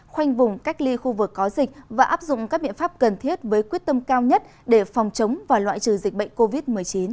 khoanh vùng cách ly khu vực có dịch và áp dụng các biện pháp cần thiết với quyết tâm cao nhất để phòng chống và loại trừ dịch bệnh covid một mươi chín